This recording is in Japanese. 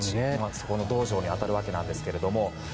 その道場に当たるわけなんですけど。